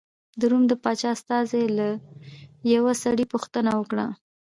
د روم د پاچا استازي له یوه سړي پوښتنه وکړه.